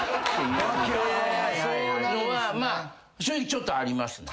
正直ちょっとありますね。